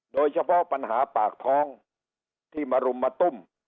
โดยเฉพาะปัญหาปากท้องที่มารุมมาตุ้ม